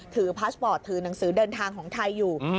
พาสปอร์ตถือหนังสือเดินทางของไทยอยู่